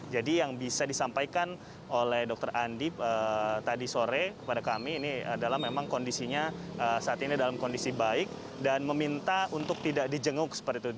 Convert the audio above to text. jadi yang bisa disampaikan oleh dokter andi tadi sore kepada kami adalah memang kondisinya saat ini dalam kondisi baik dan meminta untuk tidak di jenguk seperti itu